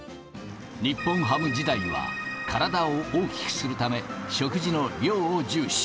日本ハム時代は、体を大きくするため、食事の量を重視。